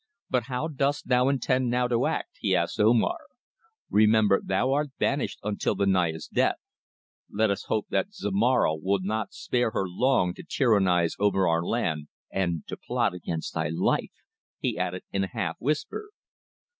"But how dost thou intend now to act?" he asked Omar. "Remember thou art banished until the Naya's death. Let us hope that Zomara will not spare her long to tyrannize over our land and to plot against thy life," he added in a half whisper.